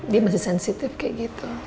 dia masih sensitif kayak gitu